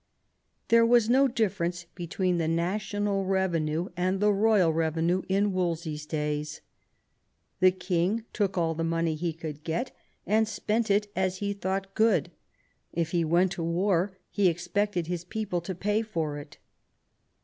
There was no difference between the national revenue and the royal revenue in Wolsey's days. The king took all the money he could get, and spent it as he thought good ; if he went to war he expected his people to pay for it.